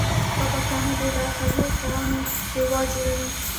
دا پښتانه دي او د کږو کاڼو دېوالونه جوړوي.